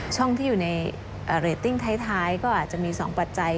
ช่องที่อยู่ในเรตติ้งท้ายก็อาจจะมี๒ปัจจัย